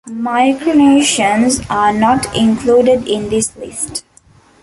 Micronations are not included in this list.